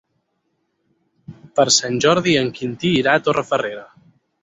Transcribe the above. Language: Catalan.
Per Sant Jordi en Quintí irà a Torrefarrera.